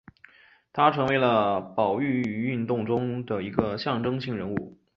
他成为了保育运动中的一个象征性人物。